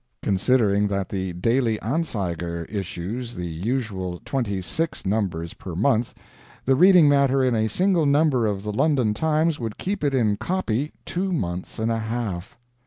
Considering that the DAILY ANZEIGER issues the usual twenty six numbers per month, the reading matter in a single number of the London TIMES would keep it in "copy" two months and a half.